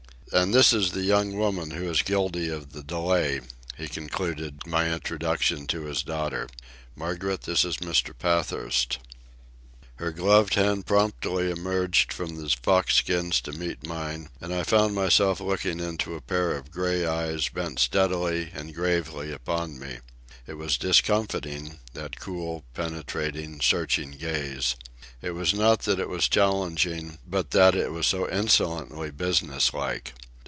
"And this is the young woman who is guilty of the delay," he concluded my introduction to his daughter. "Margaret, this is Mr. Pathurst." Her gloved hand promptly emerged from the fox skins to meet mine, and I found myself looking into a pair of gray eyes bent steadily and gravely upon me. It was discomfiting, that cool, penetrating, searching gaze. It was not that it was challenging, but that it was so insolently business like.